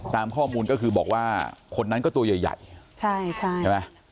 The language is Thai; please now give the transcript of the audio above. ตามข้อมูลก็คือบอกว่าคนนั้นก็ตัวใหญ่ใช่ใช่ไหม